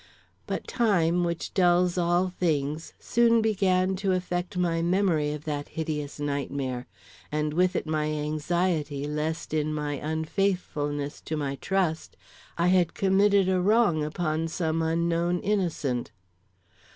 But time, which dulls all things, soon began to affect my memory of that hideous nightmare, and with it my anxiety lest in my unfaithfulness to my trust, I had committed a wrong upon some unknown innocent.